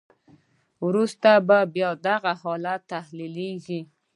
وروسته بیا دغه حالت تحلیلیږي.